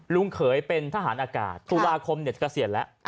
ลุงเขยเป็นทหารอากาศศุลาคมเหน็ดเกษียณแล้ว